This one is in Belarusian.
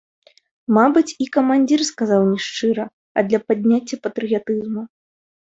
Мабыць, і камандзір сказаў не шчыра, а для падняцця патрыятызму.